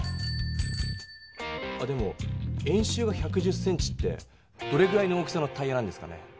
あでも円周が１１０ｃｍってどれぐらいの大きさのタイヤなんですかね？